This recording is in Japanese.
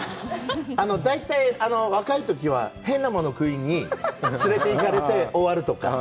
大体若いときは変なものを食いに連れていかれて終わるとか。